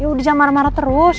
ya udah jangan marah marah terus